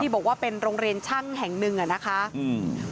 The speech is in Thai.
บอกว่าเป็นโรงเรียนช่างแห่งหนึ่งอ่ะนะคะอืม